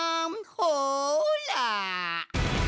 ほら！